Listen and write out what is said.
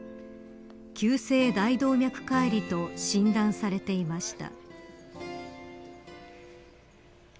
急性大動脈解離と診断されていました。